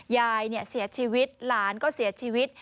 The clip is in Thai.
ยายเสียชีวิตหลานก็เสียชีวิต